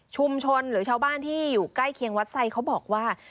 หรือชาวบ้านที่อยู่ใกล้เคียงวัดไซเขาบอกว่า